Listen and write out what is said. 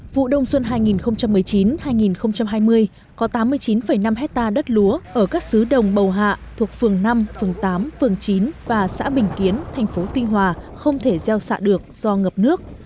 vụ đông xuân hai nghìn một mươi chín hai nghìn hai mươi có tám mươi chín năm hectare đất lúa ở các xứ đồng bầu hạ thuộc phường năm phường tám phường chín và xã bình kiến thành phố tuy hòa không thể gieo xạ được do ngập nước